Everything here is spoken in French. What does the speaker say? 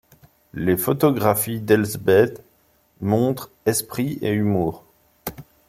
Les photographies d'Elsbeth montrent esprit et humour.